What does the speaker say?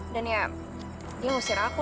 dan ya dia ngusir aku